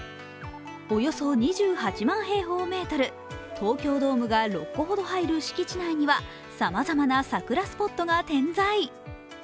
およそ２８万平方メートル、東京ドームが６個ほど入る敷地内には、さまざまな桜スポットが点在。